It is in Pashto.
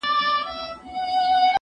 له پلرونو له نيكونو موږك خان يم